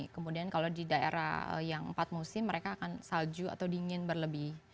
kemudian kalau di daerah yang empat musim mereka akan salju atau dingin berlebih